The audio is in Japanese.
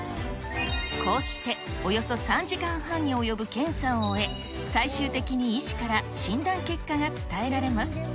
こうして、およそ３時間半に及ぶ検査を終え、最終的に医師から診断結果が伝えられます。